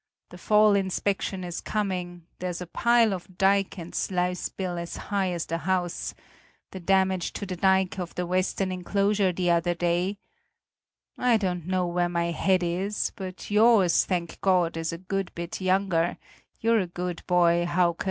The fall inspection is coming; there's a pile of dike and sluice bills as high as the house; the damage to the dike of the western enclosure the other day I don't know where my head is, but yours, thank God, is a good bit younger; you're a good boy, Hauke."